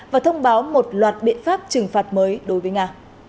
và thông báo một loạt biện pháp trừng phạt mới đối với nga